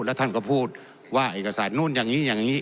แล้วท่านก็พูดว่าเอกสารนู่นอย่างนี้อย่างนี้